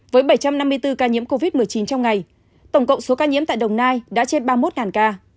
với bảy trăm năm mươi bốn ca nhiễm covid một mươi chín trong ngày tổng cộng số ca nhiễm tại đồng nai đã trên ba mươi một ca